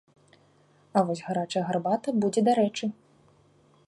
А вось гарачая гарбата будзе дарэчы.